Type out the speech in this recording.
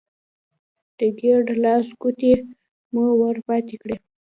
د کيڼ لاس ګوتې مو ور ماتې کړې.